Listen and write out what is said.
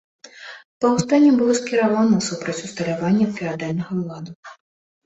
Паўстанне было скіравана супраць усталявання феадальнага ладу.